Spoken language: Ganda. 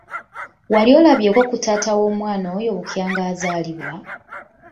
Wali olabyeko ku taata w'omwana oyo bukya nga azaalibwa?